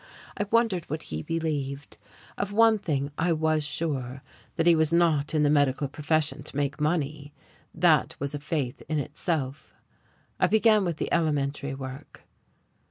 I wondered what he believed. Of one thing I was sure, that he was not in the medical profession to make money. That was a faith in itself. I began with the elementary work.